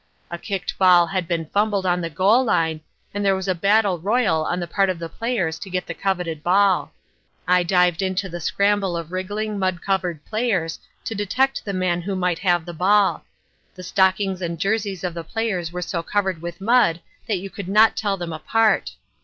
A kicked ball had been fumbled on the goal line and there was a battle royal on the part of the players to get the coveted ball. I dived into the scramble of wriggling, mud covered players to detect the man who might have the ball. The stockings and jerseys of the players were so covered with mud that you could not tell them apart.